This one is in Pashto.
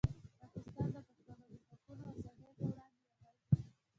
پاکستان د پښتنو د حقونو او ازادۍ په وړاندې یرغل کوي.